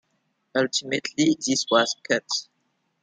Ultimately, this was cut.